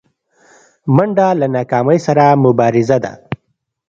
منډه له ناکامۍ سره مبارزه ده